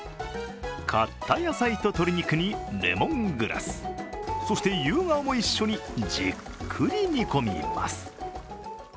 買った野菜と鶏肉にレモングラス、そして夕顔も一緒にじっくり煮込みます。